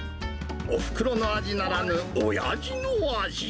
おふくろの味ならぬおやじの味。